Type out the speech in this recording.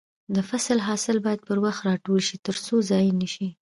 د فصل حاصل باید پر وخت راټول شي ترڅو ضايع نشي.